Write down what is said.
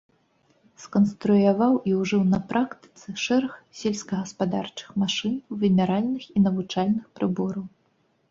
Сканструяваў і ўжыў на практыцы шэраг сельскагаспадарчых машын, вымяральных і навучальных прыбораў.